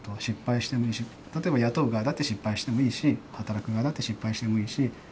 失敗してもいいし例えば雇う側だって失敗してもいいし働く側だって失敗してもいいし。